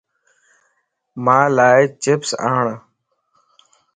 مان لاچپس آڻ